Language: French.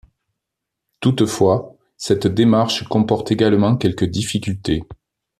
Toutefois, cette démarche comporte également quelques difficultés.